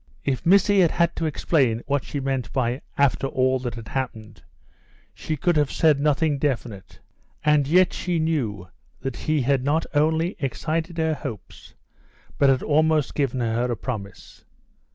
If Missy had had to explain what she meant by "after all that has happened," she could have said nothing definite, and yet she knew that he had not only excited her hopes but had almost given her a promise.